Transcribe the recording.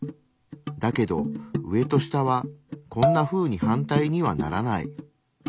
だけど上と下はこんなふうに反対にはならない。